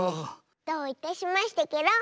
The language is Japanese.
どういたしましてケロ。